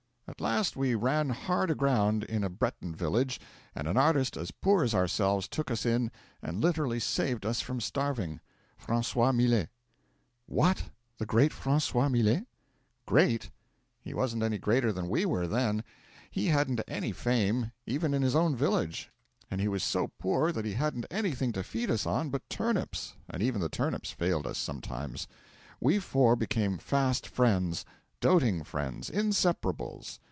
'At last we ran hard aground in a Breton village, and an artist as poor as ourselves took us in and literally saved us from starving Francois Millet ' 'What! the great Francois Millet?' 'Great? He wasn't any greater than we were, then. He hadn't any fame, even in his own village; and he was so poor that he hadn't anything to feed us on but turnips, and even the turnips failed us sometimes. We four became fast friends, doting friends, inseparables.